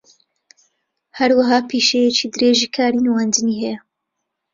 ھەروەھا پیشەیەکی درێژی کاری نواندنی ھەیە